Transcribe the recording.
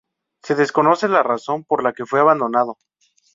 Se desconoce la razón por la que fue abandonado.